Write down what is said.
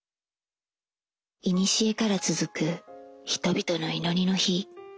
いにしえから続く人々の祈りの灯。